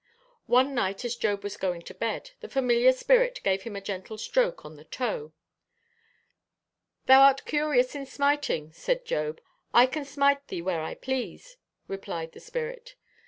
One night as Job was going to bed, the familiar spirit gave him a gentle stroke on the toe. 'Thou art curious in smiting,' said Job. 'I can smite thee where I please,' replied the spirit.